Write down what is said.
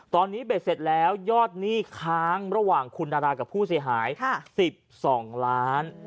ตอนนี้เบ็ดเสร็จแล้วยอดหนี้ค้างระหว่างคุณดารากับผู้เสียหาย๑๒ล้าน